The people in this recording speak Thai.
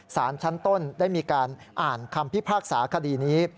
สารชั้นต้นได้มีการอ่านคำพิพากษาคดีนี้